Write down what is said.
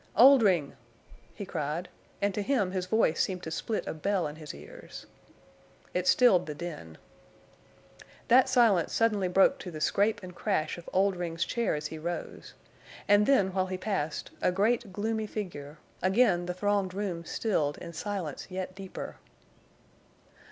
"Oldring!" he cried, and to him his voice seemed to split a bell in his ears. It stilled the din. That silence suddenly broke to the scrape and crash of Oldring's chair as he rose; and then, while he passed, a great gloomy figure, again the thronged room stilled in silence yet deeper.